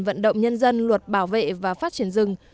vận động nhân dân luật bảo vệ và phát triển rừng